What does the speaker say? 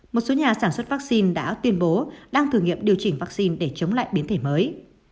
một số nhà sản xuất vắc xin đã tuyên bố đang thử nghiệm điều chỉnh vắc xin để chống lại biến thể mới